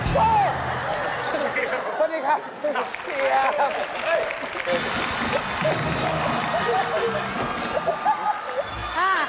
เชียบ